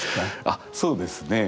あそうですねえ